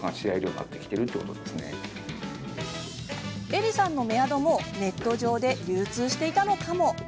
エリさんのメアドもネット上で流通していたのかも？